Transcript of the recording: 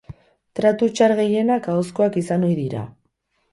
Tratu txar gehienak ahozkoak izan ohi dira.